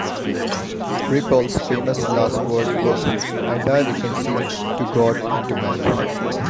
Ripoll's famous last words were, I die reconciled to God and to man.